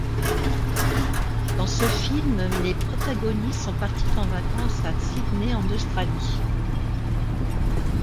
Dans ce film, les protagonistes sont partis en vacances à Sydney en Australie.